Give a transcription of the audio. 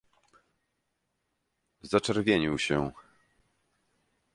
” Zaczerwienił się.